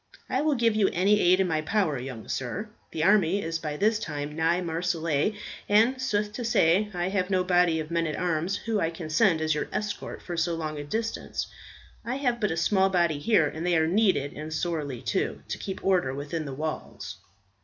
I will give you any aid in my power, young sir. The army is by this time nigh Marseilles, and, sooth to say, I have no body of men at arms whom I could send as your escort for so long a distance. I have but a small body here, and they are needed, and sorely too, to keep order within the walls."